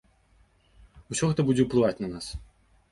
Усё гэта будзе уплываць на нас.